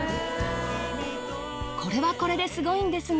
これはこれですごいんですが。